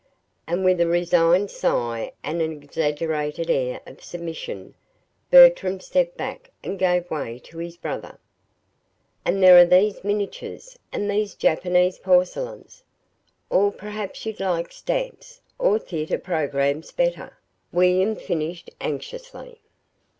And with a resigned sigh and an exaggerated air of submission, Bertram stepped back and gave way to his brother. "And there are these miniatures, and these Japanese porcelains. Or perhaps you'd like stamps, or theatre programs better," William finished anxiously.